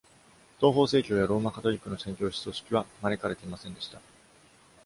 東方正教やローマ・カトリックの宣教師組織は招かれていませんでした。